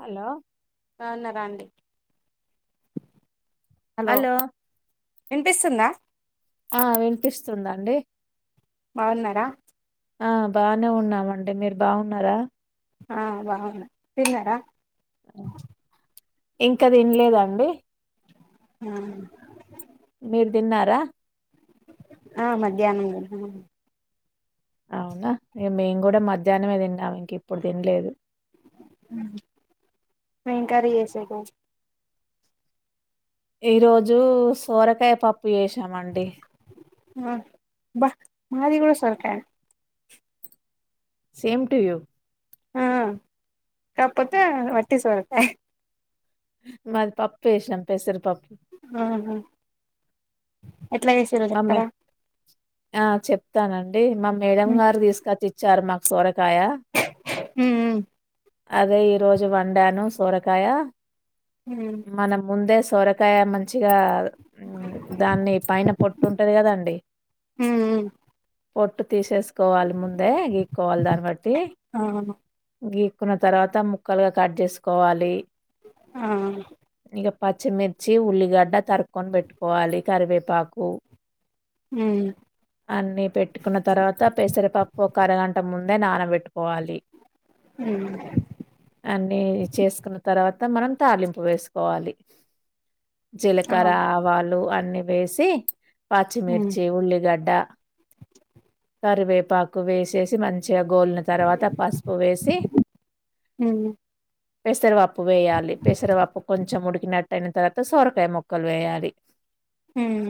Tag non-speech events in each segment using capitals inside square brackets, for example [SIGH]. Hello బావున్నార అండి hello ఇన్పిస్తుందా ఆ విన్పిస్తుందండి బాగున్నారా ఆ బానే ఉన్నామండి మీరు బావున్నారా ఆ బావున్న తిన్నరా అ ఇంక తినలేదా అండి ఆ మీరు దిన్నారా ఆ మధ్యాహ్నం [INAUDIBLE] అవునా ఇగ మేము కూడా మధ్యాహ్నమే తిన్నాం ఇంక ఇప్పుడు తినలేదు ఏం కర్రీ చేసింది ఈ రోజు సోరకాయ పప్పు చేశాం అండి ఆ బా మాది కూడా సొరకాయే సేమ్ టు యూ ఆ కాకపోతే ఒట్టి సొరకాయ మాది పప్పు చేశాం పెసర పప్పు ఆహా ఎట్లా చేసిర్రో మమ్మీ చెప్తారా ఆ చెప్తానండి అది మా మేడం గారు తీస్కచ్చి ఇచ్చారు మాకు సొర ఉమ్ ఉమ్ అదే ఈరోజు వండాను సోరకాయ ఉమ్ మనం ముందే సోరకాయ మ మంచిగా దాన్ని పైన పొట్టుంటుంది కదాండి ఉమ్ పొట్టు తీసేసుకోవాలి ముందే గీక్కోవాలి దాన్ని బట్టి ఆ గీ కున్న తర్వాత ముక్కలుగా కట్ చేసుకోవాలి ఆ ఇక పచ్చిమిర్చి ఉల్లిగడ్డ తరుక్కొని పెట్టుకోవాలి కరివేపాకు ఉమ్ అన్నీ పెట్టుకున్న తర్వాత పెసర పప్పు అరగంట ముందే నానబెట్టుకోవాలి ఉమ్ అన్ని చేసుకున్న తర్వాత మనం తాలిం పు వేసుకోవాలి ఆ జీలకర ఆవాలు అన్ని వేసి ఉమ్ పాచ్చిమిర్చి ఉల్లిగడ్డ కరివే పాకు వేసేసి మం చి గో తర్వాత పసుపు వేసి ఉమ్ పెసరవప్పు వేయాలి పెసరప్పు కొంచెం ఉడికినట్టటు అయిన తర్వాత సొరకాయ మొక్కలు వేయాలి ఉమ్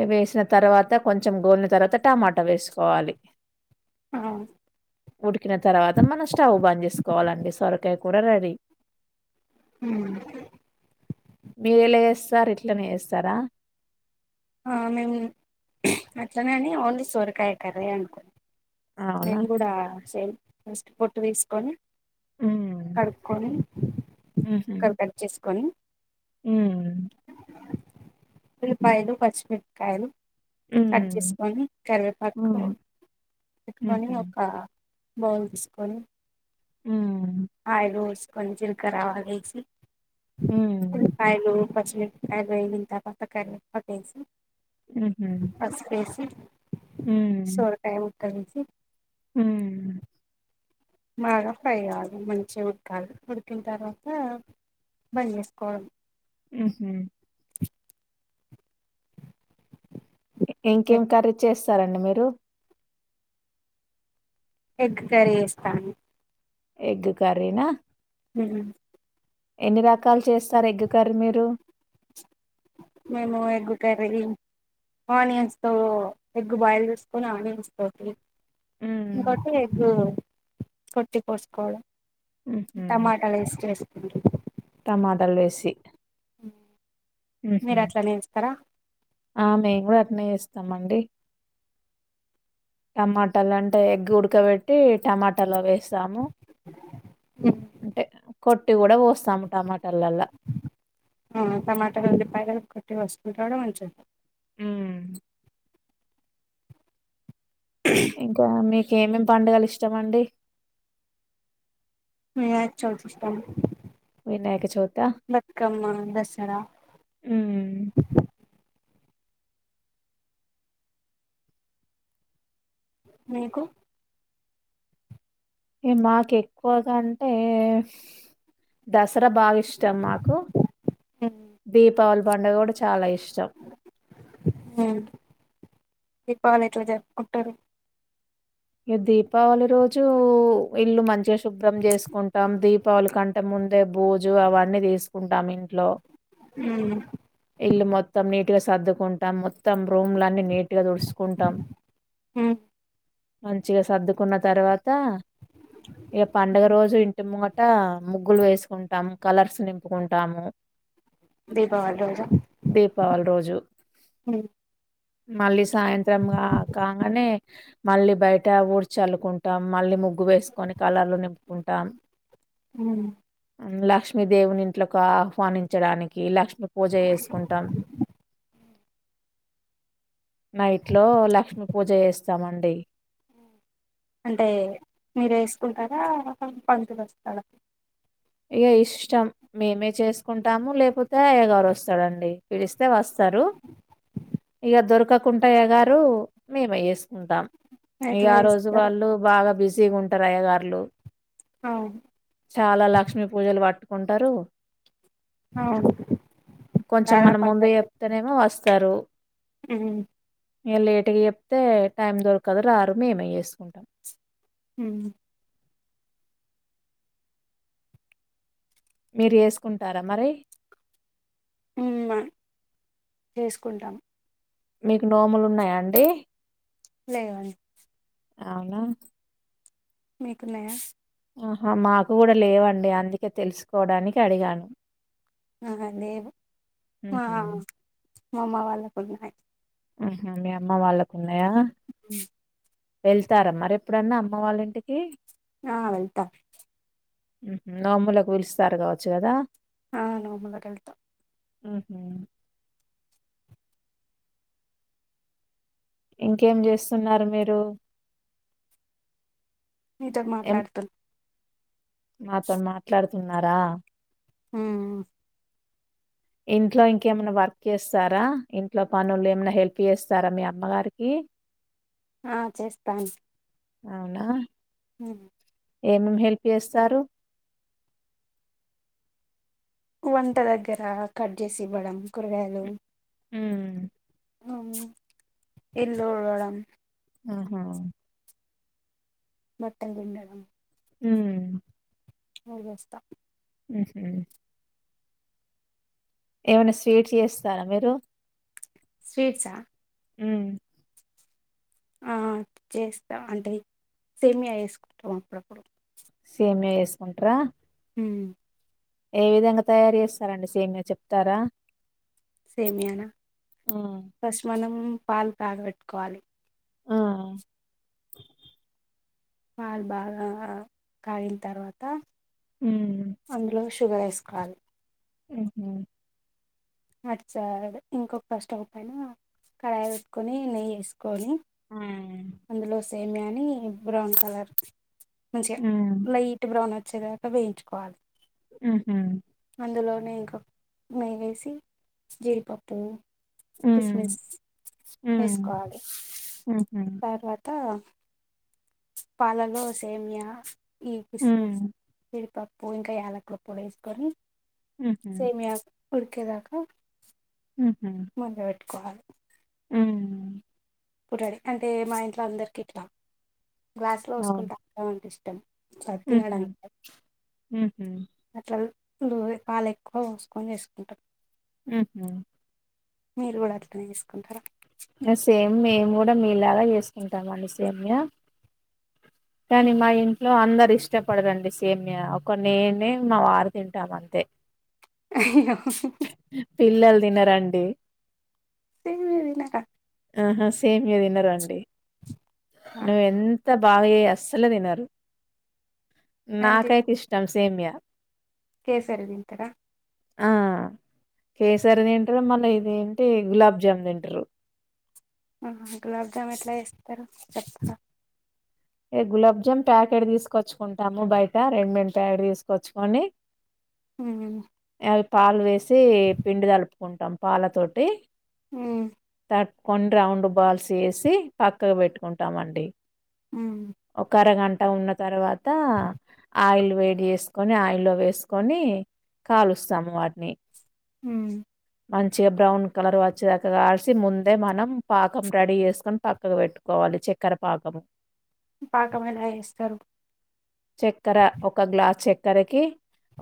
ఇ వేసిన తర్వాత కొంచెం గోలిన తర్వాత టమాటా వేసుకోవాలి ఆ ఉడికిన తర్వాత మనం స్టవ్ బంద్ చేసుకు కోవాలండి సొరకాయ కూరా రెడీ ఉమ్ మేలే సార్ ఇట్లనే చేస్తారా ఆ మేము అట్లనేని ఓన్లీ సోరకాయ కర్ర అనుకోం అవునా? మేము కూడా సేమ్ ఫస్ట్ పొట్టు తీసుకొని హ్మ్. కడుపుకొని ఒకక్కడ కట్ చేసుకొని ఉమ్ ఉల్లిపాయలు పమి మిర్చి కాయలు కట్ హ్మ్. చేసుకొని కరివేపాకు హ్మ్. పెట్టుకొని హుహు. ఒక బాల్ తీసుకొని ఉమ్ కోని జెలకరా అవలు వెసి హ్మ్. ఉల్లిపాయలు పమి లింత పతక పసి హుహు. పస్ వెసి సోరకాయా తరిగి ఉమ్ బాగా ఫ్రై కావ్వాలి మంచిగా ఉడకాలి ఉడికిన తర్వాత బంద చేసుకోవాలి ఉహుమ్ ఇంకేం కరీ చేస్త సరండి మీరు ఎగ్ కర్రీ చేస్తాను ఎగ్ కర్రీనా హ్మ్ ఎన్ని రకాలు చేస్తారు ఎగ్ కర్రీ మీరు మేము ఎగ్గు కర్రీ ఆనియన్స్ తో ఎగ్గు బాయిల్ చేసుకొని ఆనియన్స్ తోటి, హ్మ్ ఇంగోటి ఓ కొట్టి పోస్కోడం మ్మ్ హ్మ్ టమాటలు వేసి ఉ ఆ మేం గూడ అట్నేస్ తామండి టమాటాలు అంటే ఎగ్ ఉడకబెట్టి టమాటాలు వేస్ తాము అంటే కొట్టి కూడా పో సాము టమాటలల్లా ఉల్లిపాయలను కొట్టి కోస్కుంటాడు మంచిగా హుమ్ ఇంకా మీ ఏమేమి పండుగలు ఇష్టమండి వినాయచవితి ఇష్టం వినాయక చవితా బతుకమ్మ దసరా హ్మ్ మీకు ఏ మాకు ఎక్కువగా అంటే దస్ రా బాగా ఇష్టం మాకు దీపావళి పండుగ గూడ చాలా ఇష్టం దీపావళి ఎట్ల జరుపుకుంటారు దీపావళి రోజు ఇల్లు మంచిగా శుభ్రం చేసుకుంటాం దీపావళి కంటే ముందే బూజు అవన్నీ తీసుకుంటాం ఇంట్లో ఇల్లు మొత్తం నీ గ సర్దుకున్ మొత్తం రూమ్లన్నీ నీటిగా తుడ్సుకుంటాం మంచిగా సర్దుకున్న తర్వాత ఇగ పండుగ రోజు ఇంటి ముంగ ట ముగ్గులు వేసుకుంటం కలర్స్ నింపుకుంటం దీపావళి దీపావళి రోజు హు మళ్ళీ సాయంత్రం కంగా నే మళ్ళీ బయట ఊడ్చల్లుకుంటాం, మళ్ళీ ముగ్గు వేసుకొని కలర్లు నింపుకుంటాం. హు లక్ష్మీదేవిని ఇంట్లోకి ఆహ్వానించడానికి లక్ష్ పూజ చేసుకుంటాం నైట్ లో లక్ష్మీ పూజ చేస్తామం డి అంటే మీరు వేసుకుంటారా పంతులు వస్తాడ ఇగ ఇష్టం మేమే చేసుకుంటాము లేపోతే అయ్యగారు వస్తాడండి పిలిస్తే వస్తారు ఇగ దొరకకుంటే అయ్యగారు మేమే చేసు ఉంటాం ఇగ ఎట్లా ఆ రోజు చేస్తారు వాళ్ళు బాగా బి చిగుంటర అయ్యగార్లు అవును చాలా లక్ష్ పట్టుకుంటారు అవును కొంచెం చాలా మనం ముందు పండగలు చెప్తేనేమో వస్తారు ఇగ లేటుగా చెప్తే టైం దొరకదు రారు మేమే చేసుకుంటాం ఉమ్ మీరు ఏసుకుంటారా మరి హుమ్మ చేసుకుంటాం మీకు నోములున్నాయా అండి లేదన్ అవునా మీకున్నాయా ఆహా మాకు కూడా లేవండి అందుకే తెలుసుకోవడానికి అడిగాను అహా లేదు ఆ హుహు. మా అమ్మ వాళ్ళకున్నాయి ఊహూ మీ అమ్మ వాళ్ళ ఉన్నాయా వెళ్తారా మరి ఎప్పుడన్నా అమ్మ వాళ్ళ ఇంటికి ఆ వెళ్తా ఊహూ నోములకు పిలుస్తారు కావచ్చు కదా ఆ నోములకెళ్తా ఊహూ ఇంకేం జేస్తున్నారు మీరు మీతో మాట్లాడుతున్ మాతో మాట్లాడుతున్నారా ఊ ఊ ఇంట్లో ఇంకేమన్నా వర్క్ చేస్తారా ఇంట్లో పనులు ఏమన్నా హెల్ప్ చేస్తారా మీ అమ్మవారికి ఆ చేస్తాన్ అవునా హు ఏమేం హెల్ప్ చేస్తారు కు వంట దగ్గర కట్ చేసి ఇవ్వడం కూరగాయలు ఊమ్ అవును ఇల్లు ఊడవడం ఊ హా బట్టలు పిండడం ఉమ్ అవి చేస్తా [INAUDIBLE] ఏమైనా స్వీట్ చేస్తారా మీరు స్వీట్సా మ్మ్ ఆ చేస్తా అంటే సేమియా చేసుకుంటాం అప్పుడప్పుడు సేమియా చేసుకుంట్రా మ్మ్ ఏ విధంగా తయారు చేస్తారండి సేమియా చెప్తారా సేమయానా ఆ ఫస్ట్ మనం పాలు కాగబెట్టుకోవాలి ఆ పాలు బాగా కాగిన తర్వాత ఉమ్, అందులో షూ షుగర్ వేసుకోవాలి మ్మ్ హ్మ్ [UNINTELLIGIBLE] ఇంకొక స్టవ్ పైన కడాయి పెట్టుకొని నెయ్యి వేసుకొని మ్మ్ అందులో సేమియా నీ బ్రౌన్ కలర్ [UNINTELLIGIBLE] ఉమ్, లైట్ బ్రౌన్ వచ్చేదాకా వేయించుకోవాలి మ్మ్ హ్మ్ అందులోనే ఇంక నెయ్యి వేసి, జీడిపప్పు ఉమ్, కిస్మిస్ ఉమ్, వేసుకోవాలి ఉహు, వాత పాలలో సేమియా ఈ కిస్మస్ ఉమ్, జీడిపప్పు [UNINTELLIGIBLE] పొడి వేసుకొని ఉహు, సేమియా ఉడికేదాకా మ్మ్ హ్మ్ కోవాలి మ్మ్ [UNINTELLIGIBLE] అంటే మా ఇంట్లో అందరికి ఇట్టం గ్లాస్లో పోసుకొని తాగాలనిపిస్తు ం [UNINTELLIGIBLE] మ్మ్ హ్మ్ మ్మ్ హ్మ్ ఎప్పుడు పాలు ఎక్కువ పోసుకొని చేసుకుంటాం మ్మ్ హ్మ్ మీరు కూడా అట్లనే చేసుకుంటారా ఎలా చేసుకుంటాం అండి సేమ్య కానీ మ్మ్. మా ఇంట్లో అందరు ఇష్టపడరండి సే సేమ్యా ఒక నేనే మా వారు తింటాం అంతే అయ్యయ్యో పిల్లల్ తినరండి సేమియా తినరా ఆ సేమ్ మీరు తిన్నరండి ఆ, నువ్వు ఎంత బాగా చేయ అస్సలే తినరు అంటే నాకైతే ఇష్టంమ్స్ సేమ్యా కేసరి తింటరా కేసరి తింటారు మళ్ళ ఇది ఏంటి గులాబ్ జామ్ తింటారు. ఆహహ గులాబ్ జామ్ ఎట్లా చేస్తరు చెప్ ఏ గులాబ్ జామ్ ప్యాకెట్ తీసుకొచ్చుకుంటాము బయట రెండు మెంట్ ప్యాకెట్ తీసుకొచ్చుకొని హు హు మ్ అవి పాలు వేసి పిండి తలుపుకుంటాం పాల తోటి హుమ్ కొన్ని రౌండ్ బాల్స్ ఏసి పక్కగ పెట్టుకుంటామండి మ్మ్. ఒక అరగన్ ట్టా ఉన్న తర్వాత ఆయిల్ వేడి చేసుకొని ఆయిల్లో వేసుకొని కాలుస్తాము వాటిని హు మ్ ఉ మంచిగా బ్రౌన్ కలర్ వచ్చేదాకా కాలిసి, ముందే మనం పాకం రెడీ చేసుకొని, పక్కకు పెట్టుకోవాలి. చక్కెర పాకం. పాకం ఎలా ఏస్తరు చక్కెర ఒక గ్లాస్ చక్కెరకి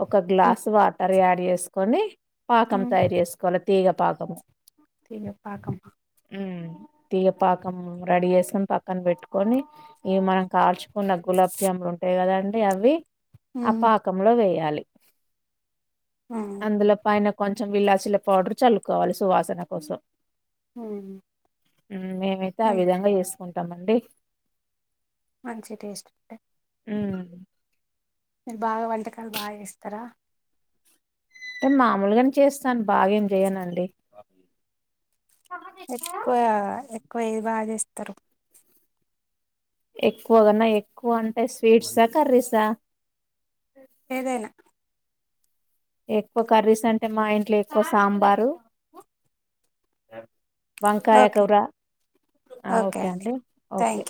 ఒక మ్మ్. గ్లాస్ వాటర్ యాడ్ చేస్ కొని పాకం తయారు చేేసుకోవల తీగ పాకం తీగ పాకమా హమ్ తీగపాకం రెడీ చేసుకొని పక్కన పెట్టుకొని ఇగ మనం కాల్చుకున్న గులాబ్ జామ్లు ఉం అంతే కదండి అవి ఆ మ్మ్. పాకంలో వేయాలి మ్మ్. అందులో పైన కొంచెం విల్లాసిల పౌడర్ చల్లుకోవాలి సువాసన కోసం హమ్ మేమైతే ఆ విధంగా చేస్ ఉంటంమండి మంచి టేస్ట్ ఉంటయి హమ్ మీరు బాగా వంటకాలు బా చేస్తరా టె మామూగనే చేస్తాన్ బాగెం జెయ్యనండి ఎక్కువ క్కు బా చేస్తరు ఎక్కువ కన్నా ఎక్కువ అంటే స్వీట్సా కర్రీసా ఏదైనా ఎక్కువ కర్రీస్ అంటే మా ఇంట్లో ఎక్కువ సాంబారు వంకాయ ఓకే కూర ఆ ఓకే అండి థ్యాంక్ యూ ఓకే